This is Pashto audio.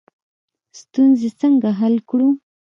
ستونزې څنګه حل کړو؟